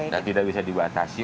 dan tidak bisa dibatasi